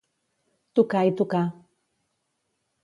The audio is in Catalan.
Tocar i tocar.